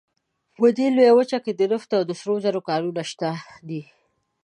په دې لویه وچه کې د نفتو او سرو زرو کانونه شته دي.